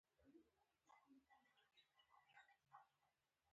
غلطي جملې مه تائیدوئ